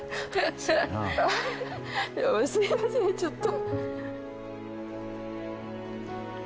すみませんちょっと。